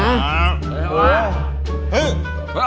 เอ้ยอร่อยเหรอ